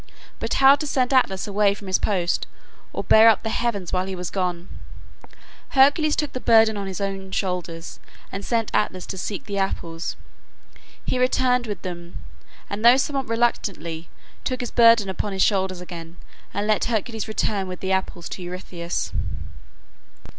But how to send Atlas away from his post, or bear up the heavens while he was gone? Hercules took the burden on his own shoulders, and sent Atlas to seek the apples. He returned with them, and though somewhat reluctantly, took his burden upon his shoulders again, and let Hercules return with the apples to Eurystheus.